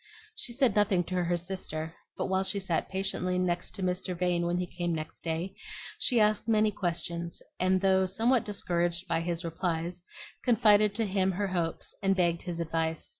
She said nothing to her sister, but while she sat patiently to Mr. Vane when he came next day, she asked many questions; and though somewhat discouraged by his replies, confided to him her hopes and begged his advice.